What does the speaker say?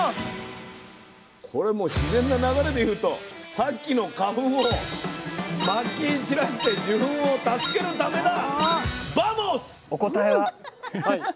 これもう自然な流れで言うとさっきの花粉をまき散らして受粉を助けるためだ。